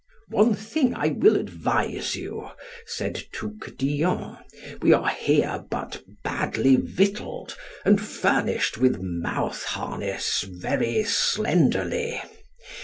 One thing I will advise you, said Touquedillon. We are here but badly victualled, and furnished with mouth harness very slenderly.